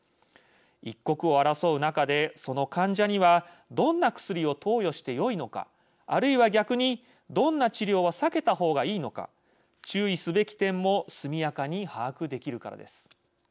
一刻を争う中でその患者にはどんな薬を投与してよいのかあるいは逆にどんな治療は避けたほうがいいのか注意すべき点も速やかに把握できるからです。